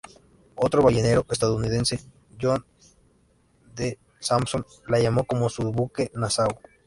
Otro ballenero estadounidense, John D. Sampson la llamó como su buque, "Nassau".